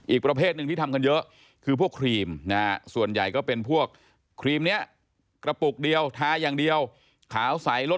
อีกประเภท๑ที่ทำกันเยอะคือพวกครีมนะ